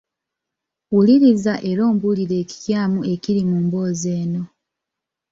Wuliriza era ombuulire ekikyamu ekiri mu mboozi eno.